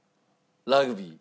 ラグビー。